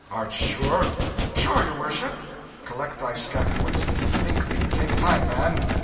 "Art sure?" "Sure, your worship." "Collect thy scattered wits bethink thee take time, man."